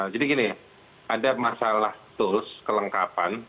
jadi gini ada masalah tools kelengkapan